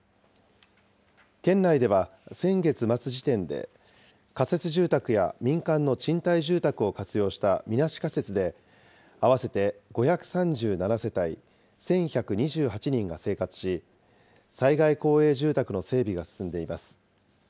県内では先月末時点で、仮設住宅や民間の賃貸住宅を活用したみなし仮設で、合わせて５３７世帯１１２８人が生活し、災害公営住宅の整備が進んでいます。